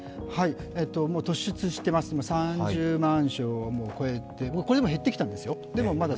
突出しています、３０万床を超えて、これでも減ってきたんですよ。